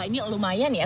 wah ini lumayan ya